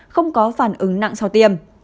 không có phản ứng nặng sau tiêm